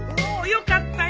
よかったよ